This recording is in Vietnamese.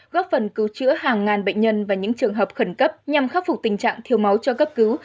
góp phần cứu chữa hàng ngàn bệnh nhân và những trường hợp khẩn cấp nhằm khắc phục tình trạng thiếu máu cho cấp cứu